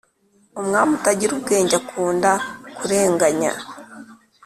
Umwami utagira ubwenge akunda kurenganya